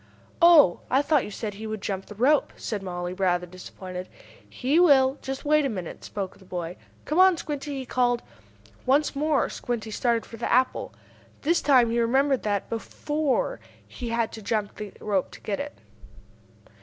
"Oh, I thought you said he would jump the rope!" said Mollie, rather disappointed. "He will just wait a minute," spoke the boy. "Come on, Squinty!" he called. Once more Squinty started for the apple. This time he remembered that, before, he had to jump the rope to get it.